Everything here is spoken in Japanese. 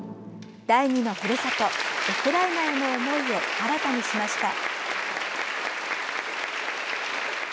第二のふるさと、ウクライナへの思いを新たにしました。